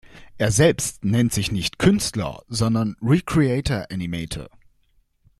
Er selbst nennt sich nicht Künstler, sondern „"recreator-animator"“.